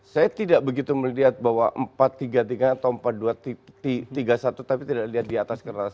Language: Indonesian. saya tidak begitu melihat bahwa empat tiga tiga atau empat dua tiga satu tapi tidak lihat di atas kertas